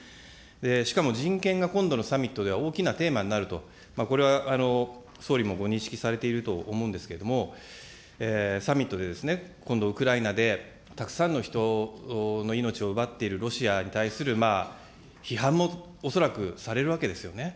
しかも人権が今度のサミットでは大きなテーマになると、これは総理もご認識されていると思うんですけれども、サミットで、今度、ウクライナでたくさんの人の命を奪っているロシアに対する批判も恐らく、されるわけですよね。